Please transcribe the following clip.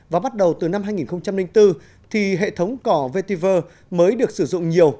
và bắt đầu từ năm hai nghìn bốn thì hệ thống cỏ vtiver mới được sử dụng nhiều